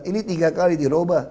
ini tiga kali dirobah